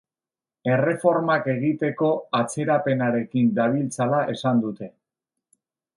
Erreformak egiteko atzerapenarekin dabiltzala esan dute.